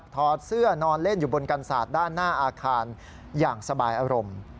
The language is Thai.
ถอดเสื้อนอนเล่นอยู่บนกันศาสตร์ด้านหน้าอาคารอย่างสบายอารมณ์